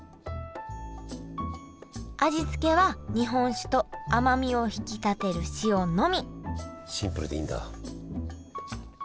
味付けは日本酒と甘みを引き立てる塩のみシンプルでいいんだ。